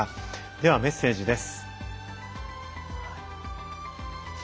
ではメッセージです。